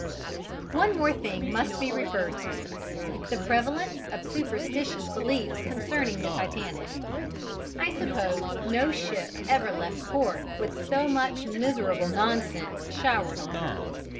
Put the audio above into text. One more thing must be referred to the prevalence of superstitious beliefs concerning the Titanic. I suppose no ship ever left port with so much miserable nonsense showered on her.